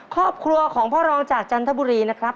ครอบครัวของพ่อรองจากจันทบุรีนะครับ